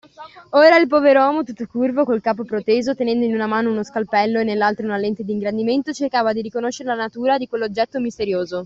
Ora il poveromo, tutto curvo, col capo proteso, tenendo in una mano uno scalpello e nell’altra una lente d’ingrandimento, cercava di riconoscer la natura di quell’oggetto misterioso.